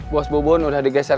waktu kang bahar